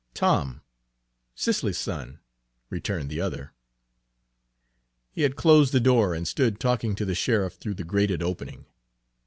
"Tom, Cicely's son," returned the other. He had closed the door and stood talking to the sheriff through the grated opening.